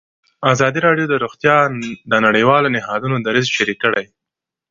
ازادي راډیو د روغتیا د نړیوالو نهادونو دریځ شریک کړی.